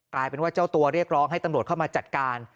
กลายเป็นว่าเจ้าตัวเรียกร้องให้ตำรวจเข้ามาจัดการ